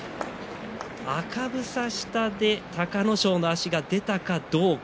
赤房下で隆の勝の足が出たかどうか。